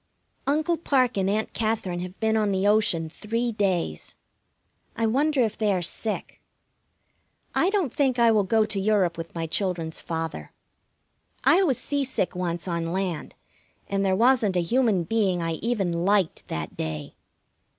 Uncle Parke and Aunt Katherine have been on the ocean three days. I wonder if they are sick. I don't think I will go to Europe with my children's father. I was seasick once on land, and there wasn't a human being I even liked that day.